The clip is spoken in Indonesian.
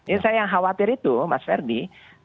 ini saya yang khawatir itu mas ferdi